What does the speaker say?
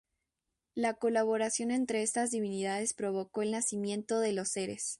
La colaboración entre estas divinidades provocó el nacimiento de los seres.